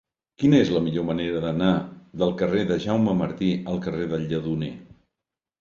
Quina és la millor manera d'anar del carrer de Jaume Martí al carrer del Lledoner?